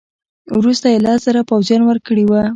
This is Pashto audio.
وروسته یې لس زره پوځیان ورکړي وه.